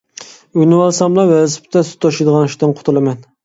ئۆگىنىۋالساملا ۋېلىسىپىتتە سۈت توشۇيدىغان ئىشتىن قۇتۇلىمەن.